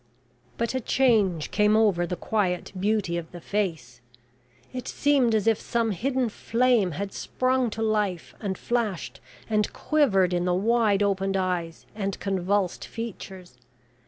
But a change came over the quiet beauty of the face. It seemed as if some hidden flame had sprung to life and flashed and quivered in the wide opened eyes and convulsed features.